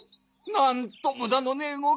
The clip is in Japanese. なんと無駄のねえ動き！